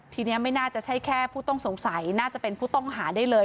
ทีนี้ไม่น่าจะใช่แค่ผู้ต้องสงสัยน่าจะเป็นผู้ต้องหาได้เลย